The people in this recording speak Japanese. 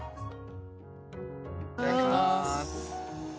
いただきます。